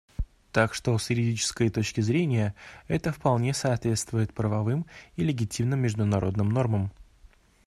Так что с юридической точки зрения, это вполне соответствует правовым и легитимным международным нормам.